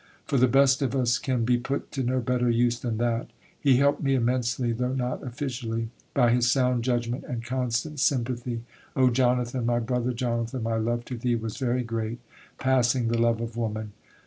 For the best of us can be put to no better use than that. He helped me immensely, though not officially, by his sound judgment and constant sympathy. "Oh, Jonathan, my brother Jonathan, my love to thee was very great, passing the love of woman."